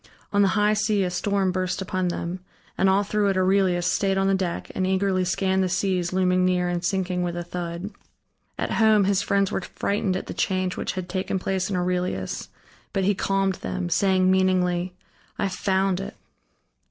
On the high sea a storm burst upon them, and all through it Aurelius stayed on the deck and eagerly scanned the seas looming near and sinking with a thud. At home his friends were frightened at the change which had taken place in Aurelius, but he calmed them, saying meaningly: "I have found it."